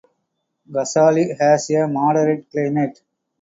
Kasauli has a moderate climate.